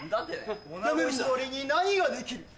おなご１人に何ができる？